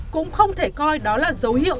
cũng không thể coi đó là dấu hiệu